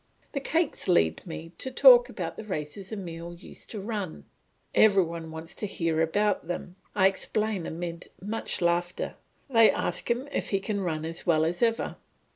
The cakes lead me to talk of the races Emile used to run. Every one wants to hear about them; I explain amid much laughter; they ask him if he can run as well as ever.